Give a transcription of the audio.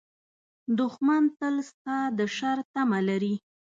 دښمن تل ستا د شر تمه لري